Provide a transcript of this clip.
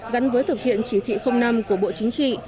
gắn với thực hiện chỉ thị năm của bộ chính trị